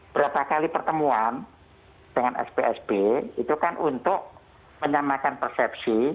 berapa kali pertemuan dengan spsb itu kan untuk menyamakan persepsi